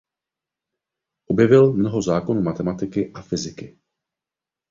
Objevil mnoho zákonů matematiky a fyziky.